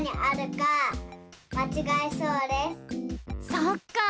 そっか。